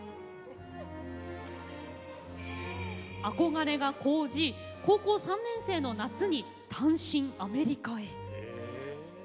憧れが高じ高校３年生の夏に単身アメリカへ。